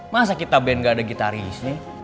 masa kita band gak ada gitaris nih